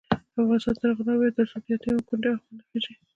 افغانستان تر هغو نه ابادیږي، ترڅو د یتیم او کونډې آه وانه خیژي.